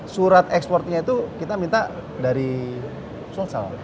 surat ekspornya itu kita minta dari sulsel